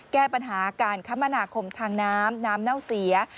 แก้ปัญหาการคมนาคมทางน้ำน้ำเน่าเสีย